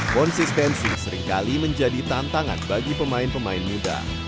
konsistensi seringkali menjadi tantangan bagi pemain pemain muda